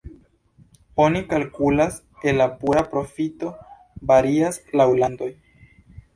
Oni kalkulas el la pura profito, varias laŭ landoj.